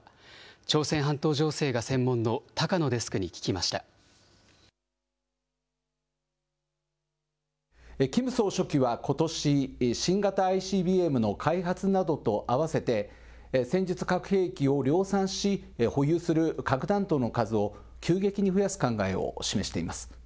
朝鮮半島情勢が専門キム総書記はことし、新型ＩＣＢＭの開発などとあわせて、戦術核兵器を量産し、保有する核弾頭の数を急激に増やす考えを示しています。